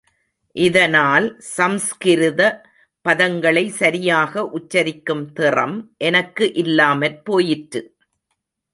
இதனால் சம்ஸ்கிருத பதங்களை சரியாக உச்சரிக்கும் திறம் எனக்கு இல்லாமற் போயிற்று.